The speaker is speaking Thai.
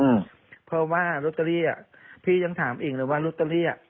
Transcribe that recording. อืมเพราะว่าลอตเตอรี่อ่ะพี่ยังถามเองเลยว่าลอตเตอรี่อ่ะ